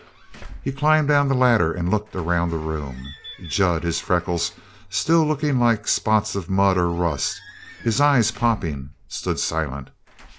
He climbed down the ladder and looked around the room. Jud, his freckles still looking like spots of mud or rust, his eyes popping, stood silent.